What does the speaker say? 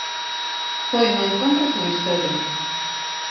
Foi un encontro sen historia.